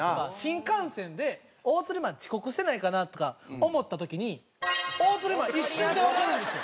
新幹線で大鶴肥満遅刻してないかな？とか思った時に大鶴肥満一瞬でわかるんですよ。